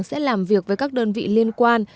sẽ làm việc với các đơn vị liên quan